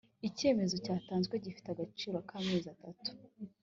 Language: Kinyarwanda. icyemezo cyatanzwe gifite agaciro k’amezi atanu